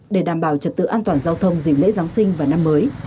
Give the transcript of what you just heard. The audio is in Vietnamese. để đảm bảo trật tự an toàn giao thông dịp lễ giáng sinh và năm mới